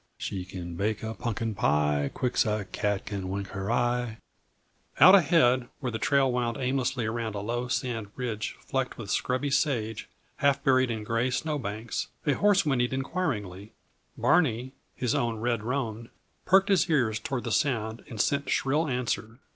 She can make a punkin pie Quick's a cat can wink her eye " Out ahead, where the trail wound aimlessly around a low sand ridge flecked with scrubby sage half buried in gray snowbanks, a horse whinnied inquiringly; Barney, his own red roan, perked his ears toward the sound and sent shrill answer.